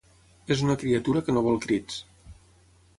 És una criatura que no vol crits.